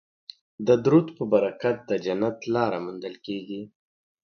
د درود په برکت د جنت لاره موندل کیږي